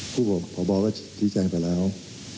ผู้บอกพ่อบอกว่าที่จังไปแล้ว